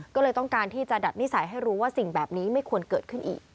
ก็เลยต้องการที่จะดัดนิสัยให้รู้ว่าสิ่งแบบนี้ไม่ควรเกิดขึ้นอีก